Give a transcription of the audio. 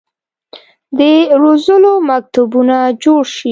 د روزلو مکتبونه جوړ شي.